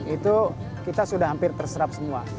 itu kita sudah hampir terserap semua